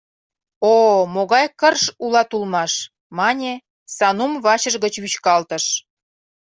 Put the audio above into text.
— О-о, могай кырж улат улмаш! — мане, Санум вачыж гыч вӱчкалтыш.